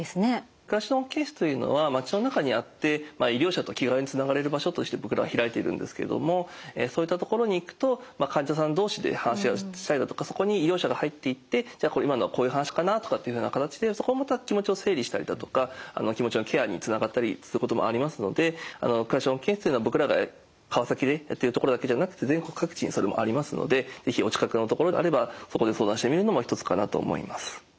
暮らしの保健室というのは町の中にあって医療者と気軽につながれる場所として僕らは開いているんですけどもそういった所に行くと患者さん同士で話をしたりだとかそこに医療者が入っていって今のはこういう話かなとかっていうふうな形でそこもまた気持ちを整理したりだとか気持ちのケアにつながったりすることもありますので暮らしの保健室のような僕らが川崎でやってる所だけじゃなくて全国各地にそれもありますので是非お近くの所であればそこで相談してみるのも一つかなと思います。